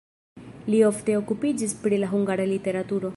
Li ofte okupiĝis pri la hungara literaturo.